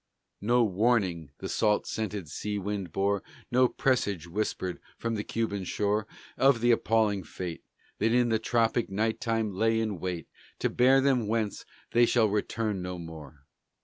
No warning the salt scented sea wind bore, No presage whispered from the Cuban shore Of the appalling fate That in the tropic night time lay in wait To bear them whence they shall return no more.